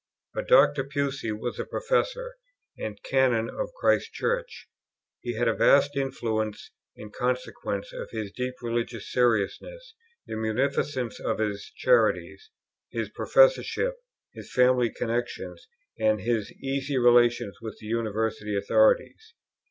But Dr. Pusey was a Professor and Canon of Christ Church; he had a vast influence in consequence of his deep religious seriousness, the munificence of his charities, his Professorship, his family connexions, and his easy relations with University authorities.